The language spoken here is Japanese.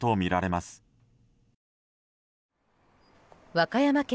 和歌山県